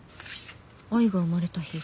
「愛が生まれた日」。